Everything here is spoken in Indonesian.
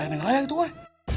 ayah neng raya itu woy